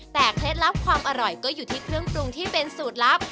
แต่เคล็ดลับความอร่อยก็อยู่ที่เครื่องปรุงที่เป็นสูตรลับ